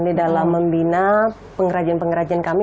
di dalam membina pengrajin pengrajin kami